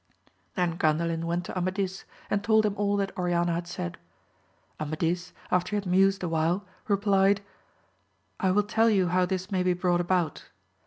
Then Gandalin went to Amadis and told him all that Oriana had said. Aitadis, after he had mused awhile, replied: I will tell you how this may be brought about.